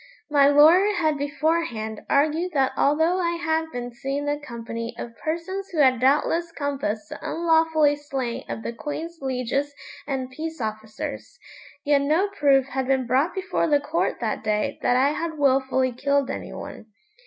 My lawyer had beforehand argued that although I had been seen in the company of persons who had doubtless compassed the unlawfully slaying of the Queen's lieges and peace officers, yet no proof had been brought before the court that day that I had wilfully killed any one.